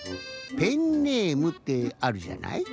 ペンネームってあるじゃない？